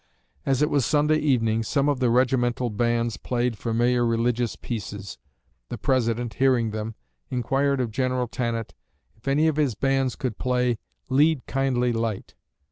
As it was Sunday evening, some of the regimental bands played familiar religious pieces. The President, hearing them, inquired of General Tannatt if any of his bands could play "Lead Kindly Light."